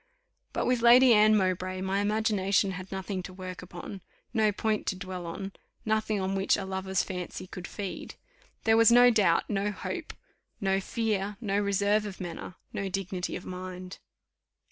But with Lady Anne Mowbray my imagination had nothing to work upon, no point to dwell on, nothing on which a lover's fancy could feed: there was no doubt, no hope, no fear, no reserve of manner, no dignity of mind.